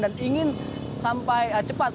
dan ingin sampai cepat